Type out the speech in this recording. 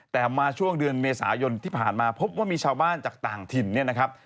แต่มาช่วงเดือนเมษายนที่ผ่านมาพบว่ามีชาวบ้านจากต่างถิ่นเนี่ยนะครับ